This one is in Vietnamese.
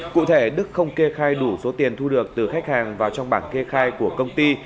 cụ thể đức không kê khai đủ số tiền thu được từ khách hàng vào trong bảng kê khai của công ty